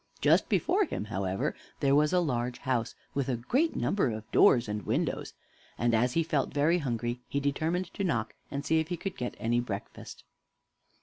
Just before him, however, there was a large house, with a great number of doors and windows; and as he felt very hungry, he determined to knock, and see if he could get any breakfast.